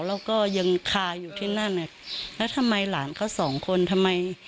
หมายถึงว่าฝั่งพ่อแม่ของสามี